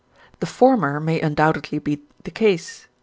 The former may undoubtedly often be the case.